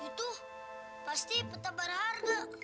itu pasti peta bar harga